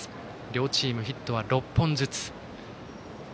両チーム、ヒットは６本ずつ。